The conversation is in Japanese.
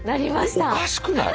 おかしくない？